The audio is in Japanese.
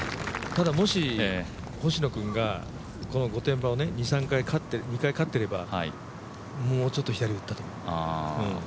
ただ、もし星野君がこの御殿場を２回勝ってればもうちょっと左打ったと思います。